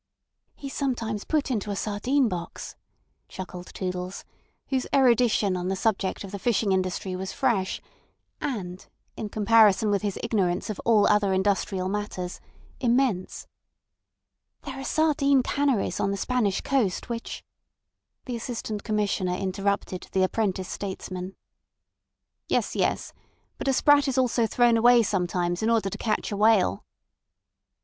"He's sometimes put into a sardine box," chuckled Toodles, whose erudition on the subject of the fishing industry was fresh and, in comparison with his ignorance of all other industrial matters, immense. "There are sardine canneries on the Spanish coast which—" The Assistant Commissioner interrupted the apprentice statesman. "Yes. Yes. But a sprat is also thrown away sometimes in order to catch a whale."